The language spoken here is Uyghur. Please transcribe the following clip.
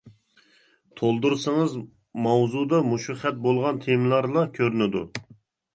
تولدۇرسىڭىز ماۋزۇدا مۇشۇ خەت بولغان تېمىلارلا كۆرۈنىدۇ.